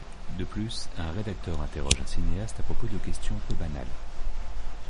De plus, un rédacteur interroge un cinéaste à propos de questions peu banales.